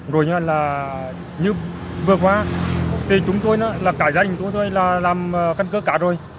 rồi là như vừa qua thì chúng tôi là cải danh chúng tôi là làm căn cơ cả rồi